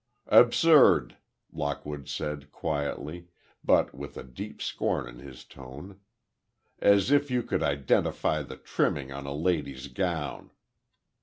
"Absurd," Lockwood said, quietly, but with a deep scorn in his tone. "As if you could identify the trimming on a lady's gown!"